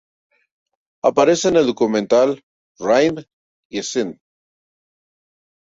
Aparece en el documental "Rhythm Is It!